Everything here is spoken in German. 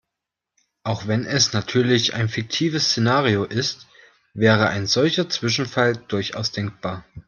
Auch wenn es natürlich ein fiktives Szenario ist, wäre ein solcher Zwischenfall durchaus denkbar.